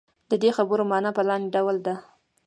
د دې خبرې معنا په لاندې ډول ده.